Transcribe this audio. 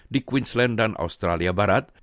di queensland dan australia barat